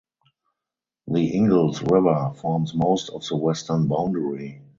The Inglis River forms most of the western boundary.